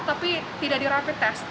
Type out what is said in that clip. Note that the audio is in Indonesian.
tapi tidak di rapid test